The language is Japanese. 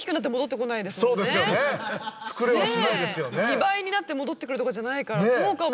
２倍になってもどってくるとかじゃないからそうかも。